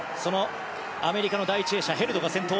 アメリカの第１泳者ヘルドが先頭。